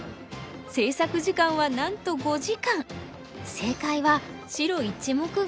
制作時間はなんと５時間。